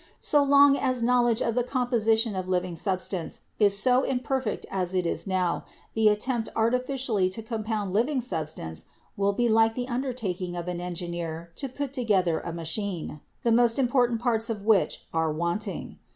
So long as knowledge of the composition of living substance is so imperfect as it is now, the attempt artificially to compound living substance will be like the undertaking of an engineer to put together a machine, 32 BIOLOGY the most important parts of which are wanting.